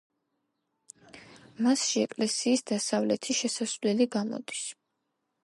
მასში ეკლესიის დასავლეთი შესასვლელი გამოდის.